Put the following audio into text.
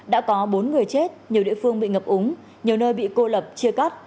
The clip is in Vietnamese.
đã có bốn người chết nhiều địa phương bị ngập úng nhiều nơi bị cô lập chia cắt